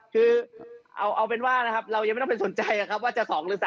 คือเอาเป็นว่านะครับเรายังไม่ต้องไปสนใจนะครับว่าจะ๒หรือ๓